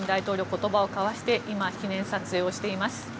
言葉を交わして今、記念撮影をしています。